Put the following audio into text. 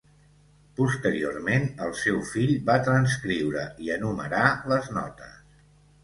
Posteriorment el seu fill va transcriure i enumerar les notes.